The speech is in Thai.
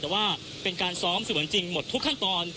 แต่ว่าเป็นการซ้อมเสมือนจริงหมดทุกขั้นตอน